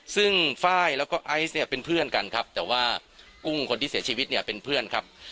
ซึ่งไฟล์แล้วก็ไอซ์เนี่ยเป็นเพื่อนกันครับแต่ว่ากุ้งคนที่เสียชีวิตเนี่ยเป็นเพื่อนครับ